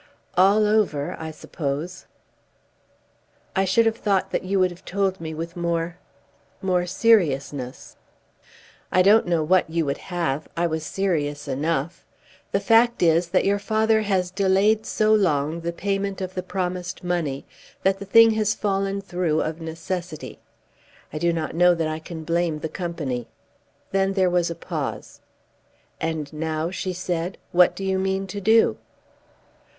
"All over, I suppose." "I should have thought that you would have told me with more more seriousness." "I don't know what you would have. I was serious enough. The fact is, that your father has delayed so long the payment of the promised money that the thing has fallen through of necessity. I do not know that I can blame the Company." Then there was a pause. "And now," she said, "what do you mean to do?"